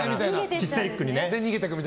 ヒステリックにね。